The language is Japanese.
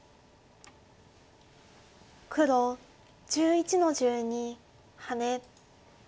黒１１の十二ハネ。